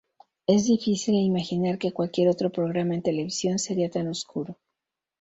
Es difícil imaginar que cualquier otro programa en televisión sería tan oscuro.